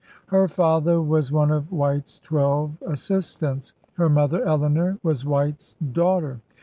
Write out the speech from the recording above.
Her father was one of WTiite's twelve 'Assistants.' Her mother, Eleanor, was White's daughter.